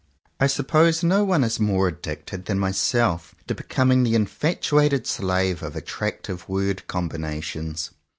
I suppose no one is more addicted than myself to becoming the infatuated slave of attractive word combinations.